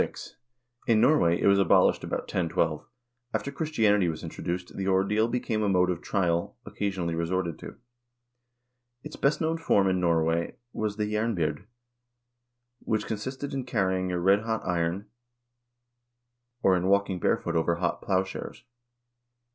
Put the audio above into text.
* In Norway it was abolished about 1012. After Christianity was introduced, the ordeal became a mode of trial occasionally resorted to. Its best known form in Norway was the jernbyrd, which con sisted in carrying a redhot iron, or in walking barefooted over hot plowshares.